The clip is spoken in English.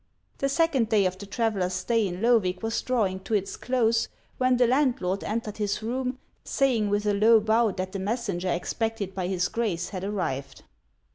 The second day of the traveller's stay in Loevig was drawing to its close, when the landlord entered his room, saying with a low bow that the messenger expected by his Grace had arrived.